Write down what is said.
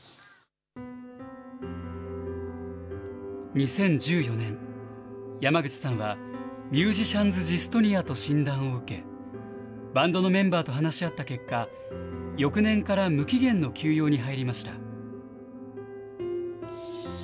２０１４年、山口さんはミュージシャンズ・ジストニアと診断を受け、バンドのメンバーと話し合った結果、翌年から無期限の休養に入りました。